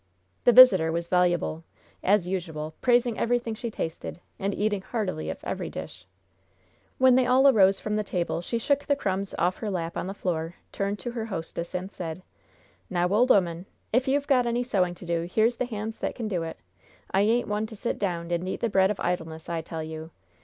The visitor was voluble, as usual, praising everything she tasted, and eating heartily of every dish. When they all arose from the table, she shook the crumbs off her lap on the floor, turned to her hostess, and said: "Now, old 'oman, if you've got any sewing to do, here's the hands that can do it. I ain't one to sit down and eat the bread of idleness, I tell you.